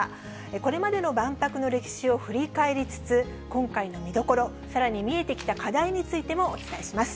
これまでの万博の歴史を振り返りつつ、今回の見どころ、さらに見えてきた課題についてもお伝えします。